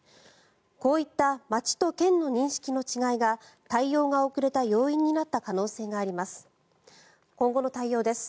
こういった町と県の認識の違いが対応が遅れた要因になった可能性があります。